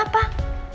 mas al kenapa